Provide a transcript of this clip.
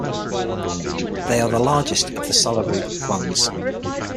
They are the largest of the salivary glands.